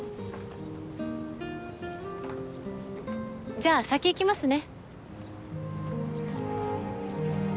じゃあ先行きますね。